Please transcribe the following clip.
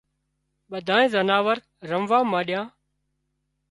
ٻڌانئي زناور رموا مانڏيا